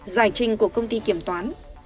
giải trình của công ty kiểm toán